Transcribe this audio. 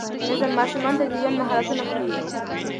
نظم ماشوم ته د ژوند مهارتونه ښيي.